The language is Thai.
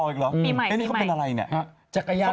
เขาเป็นต่อมไทรอยด์อักเสบลงจักรยานล่ม